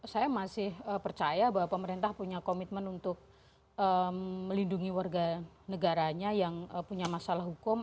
saya masih percaya bahwa pemerintah punya komitmen untuk melindungi warga negaranya yang punya masalah hukum